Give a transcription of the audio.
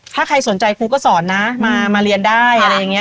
ถ้าใครสนใจครูก็สอนนะมาเรียนได้อะไรอย่างนี้